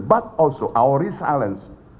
tetapi juga memperbaiki kekuatan kita